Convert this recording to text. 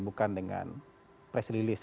bukan dengan press release